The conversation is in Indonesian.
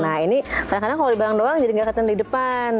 nah ini kadang kadang kalau di belakang doang jadi nggak ketemu di depan